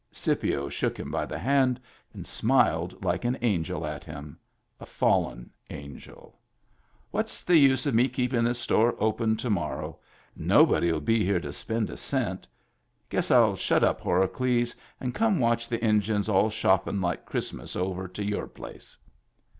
Scipio shook him by the hand and smiled like an angel at him — a fallen angel. " What's the use of me keepin' this store open to morrow? Nobody'U be here to spend a cent. Guess I'll shut up, Horacles, and come watch the Injuns all shoppin' like Christmas over to your place."